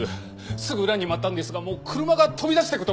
すぐ裏に回ったんですがもう車が飛び出していくところで。